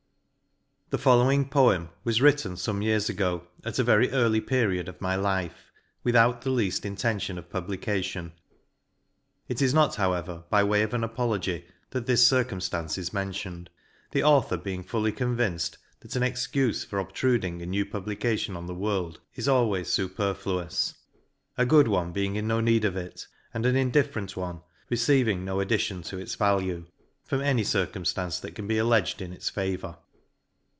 THE follmsoing Poem was written fome years ago, at a very early period of life^ without the leajl intentio7i of publication. It is not however by way of a7i apology^ that this circumfance is me?itioned \ the author being fully co72vinced, that an excufe for obtruding a nemo publication on the worlds is always fuperfluous ; a good one hei?ig in no need of //, and an indifferent one receiving no addition to its value^ fro7n any circumjlance that can be alledgcd in its favour.